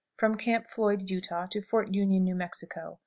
_From Camp Floyd, Utah, to Fort Union, New Mexico.